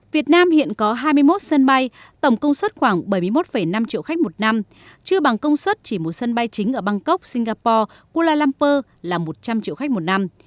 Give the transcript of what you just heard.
việt nam hiện có hai mươi một sân bay tổng công suất khoảng bảy mươi một năm triệu khách một năm chưa bằng công suất chỉ một sân bay chính ở bangkok singapore kuala lumpur là một trăm linh triệu khách một năm